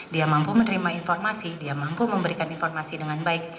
dia mampu menerima informasi dia mampu memberikan informasi dengan baik